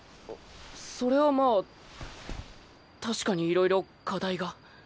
それはまあ確かにいろいろ課題が。